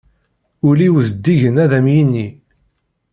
Ul-iw zeddigen ad am-yinni.